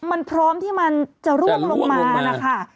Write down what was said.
มันพร้อมที่มันจะร่วงลงมานะคะ